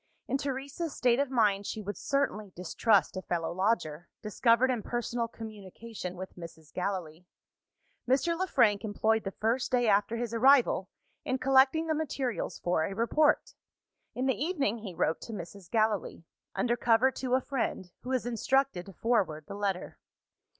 In Teresa's state of mind, she would certainly distrust a fellow lodger, discovered in personal communication with Mrs. Gallilee. Mr. Le Frank employed the first day after his arrival in collecting the materials for a report. In the evening, he wrote to Mrs. Gallilee under cover to a friend, who was instructed to forward the letter.